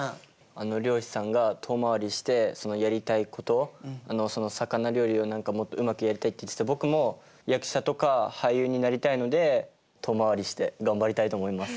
あの漁師さんが遠回りをしてやりたいこと魚料理をもっとうまくやりたいって言ってて僕も役者とか俳優になりたいので遠回りして頑張りたいと思います。